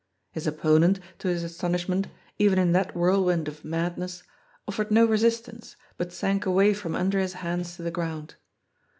His opponent, to his astonishment — even in that whirlwind of madness — offered no resistance, but sank away from under his hands to the ground.